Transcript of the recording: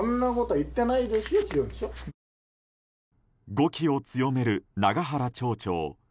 語気を強める永原町長。